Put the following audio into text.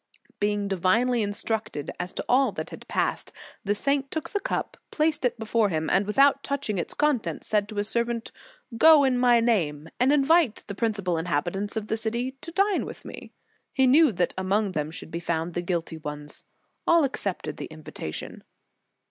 Being divinely instructed as to all that had passed, the saint took the cup, placed it be fore him, and without touching its contents said to his servant: "Go, in my name, and * Dialog., lib. iii., c. 35. In the Nineteenth Century. 185 invite the principal inhabitants of the city to dine with me." He knew that among them should be found the guilty ones. All accepted "the invitation.